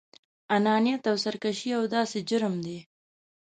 انانيت او سرکشي يو داسې جرم دی.